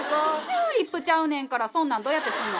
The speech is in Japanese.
チューリップちゃうねんからそんなんどうやってすんの？